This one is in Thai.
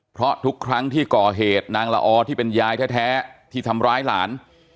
เพราะทุกครั้งที่ก่อเหตุนางละออที่เป็นยายแท้ที่ทำร้ายหลาน